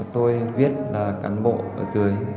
tôi viết là cán bộ ở dưới